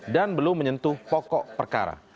dan belum menyentuh pokok perkara